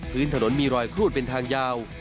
พื้นถนนมีรอยครูดเป็นทางยาว